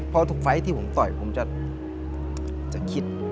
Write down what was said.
เพราะทุกไฟล์ที่ผมต่อยผมจะคิด